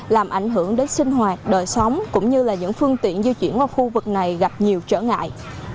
làm ảnh hưởng đến sinh hoạt đời sống cũng như là những phương tiện di chuyển qua khu vực này gặp nhiều trở ngại